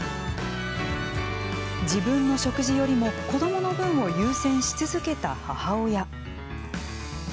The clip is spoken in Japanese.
自分の食事よりも子どもの分を優先し続けた母親。